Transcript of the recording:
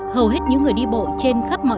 hầu hết những người đi bộ trên khắp mọi